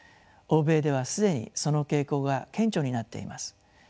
欧米では既にその傾向が顕著になっています。